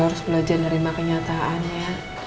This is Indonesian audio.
harus belajar nerima kenyataannya